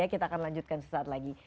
kita akan lanjutkan sesaat lagi